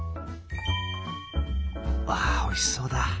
うわおいしそうだ。